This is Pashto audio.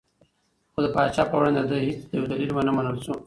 خو د پاچا په وړاندې د ده هېڅ یو دلیل ونه منل شو.